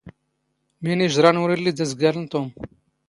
ⵎⵉⵏ ⵉⵊⵕⴰⵏ ⵓⵔ ⵉⵍⵍⵉ ⴷ ⴰⵣⴳⴰⵍ ⵏ ⵜⵓⵎ.